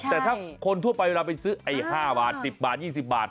แต่ถ้าคนทั่วไปเวลาไปซื้อไอ้๕บาท๑๐บาท๒๐บาท